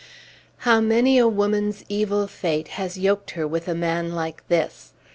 How many a woman's evil fate has yoked her with a man like this!